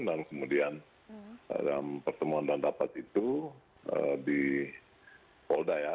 dan kemudian dalam pertemuan dan dapat itu di polda ya